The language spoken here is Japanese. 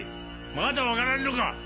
まだ分からんのか？